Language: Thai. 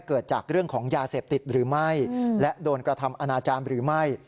เกิดจากเรื่องของยาเสพติดหรือไม่และโดนกระทำอนาจารย์หรือไม่